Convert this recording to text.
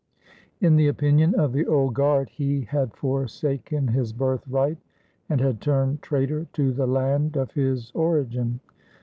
In the opinion of the old guard, he had forsaken his birthright and had turned traitor to the land of his origin.